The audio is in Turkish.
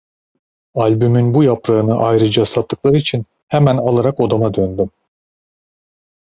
Albümün bu yaprağını ayrıca sattıkları için hemen alarak odama döndüm.